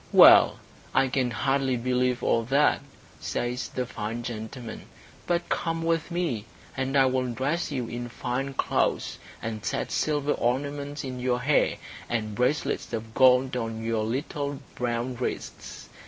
"Well, I can hardly believe all that," says the fine gentleman, "But come with me, and I will dress you in fine clothes, and set silver ornaments in your hair, and bracelets of gold on your little brown wrists.